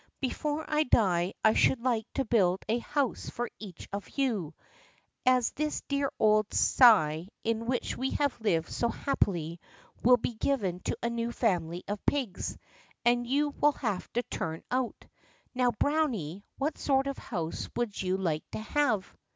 Before I die I should like to build a house for each of you, as this dear old sty in which we have lived so happily will be given to a new family of pigs, and you will have to turn out. Now, Browny, what sort of a house would you like to have?"